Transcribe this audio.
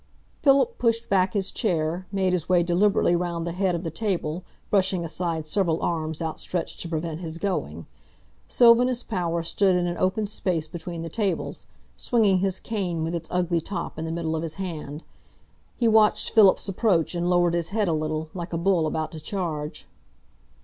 Philip pushed back his chair, made his way deliberately round the head of the table, brushing aside several arms outstretched to prevent his going. Sylvanus Power stood in an open space between the tables, swinging his cane, with its ugly top, in the middle of his hand. He watched Philip's approach and lowered his head a little, like a bull about to charge.